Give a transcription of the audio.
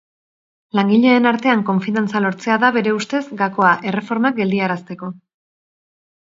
Langileen artean konfidantza lortzea da bere ustez, gakoa, erreformak geldiarazteko.